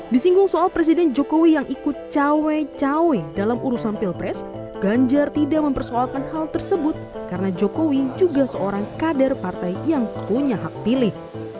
disinggung soal presiden jokowi yang ikut cawe cawe dalam urusan pilpres ganjar tidak mempersoalkan hal tersebut karena jokowi juga seorang kader partai yang punya hak pilih